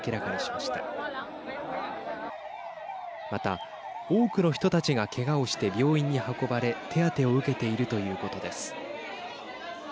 また、多くの人たちがけがをして病院に運ばれ手当てを受けているということです。